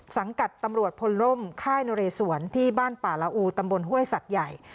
สังกัดตำรวจพลล่มค่ายนเรสวนที่บ้านป่าละอูตำบลห้วยสัตว์ใหญ่